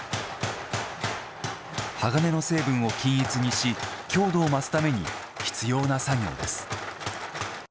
鋼の成分を均一にし強度を増すために必要な作業です。